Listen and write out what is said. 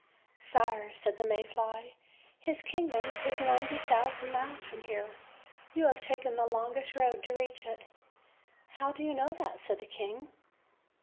"Sire," said the May fly, "his kingdom is ninety thou sand miles from here; you have taken the longest road to reach it." "How do you know that?" said the king.